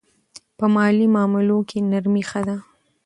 په مالي معاملو کې نرمي ښه ده.